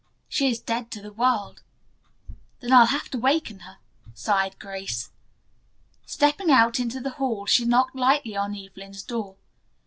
"She is dead to the world." "Then I'll have to waken her," sighed Grace. Stepping out into the hall she knocked lightly on Evelyn's door.